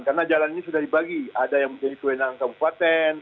karena jalan ini sudah dibagi ada yang menjadi perlindungan kabupaten